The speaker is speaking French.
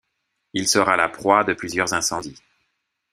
Il sera la proie de plusieurs incendies.